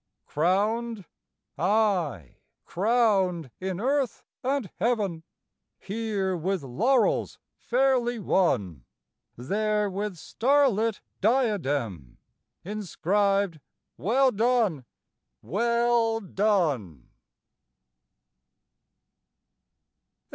Crowned? Aye, crowned in earth and heaven; Here with laurels fairly won; There with star lit diadem, Inscribed "Well done! well done!"